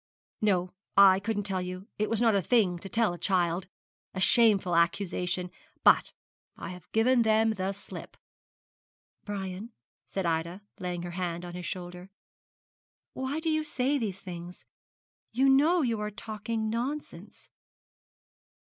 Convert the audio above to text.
No, I couldn't tell you; it was not a thing to tell a child a shameful accusation; but I have given them the slip.' 'Brian,' said Ida, laying her hand on his shoulder, 'why do you say these things? You know you are talking nonsense.'